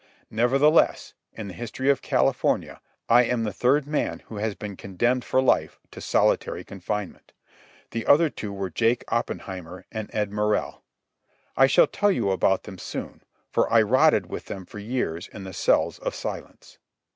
Nevertheless, in the history of California I am the third man who has been condemned for life to solitary confinement. The other two were Jake Oppenheimer and Ed Morrell. I shall tell you about them soon, for I rotted with them for years in the cells of silence.